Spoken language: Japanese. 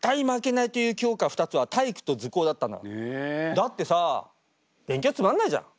だってさ勉強つまんないじゃん。